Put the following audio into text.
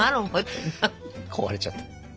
壊れちゃった。